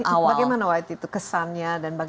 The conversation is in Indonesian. awal bagaimana waktu itu kesannya dan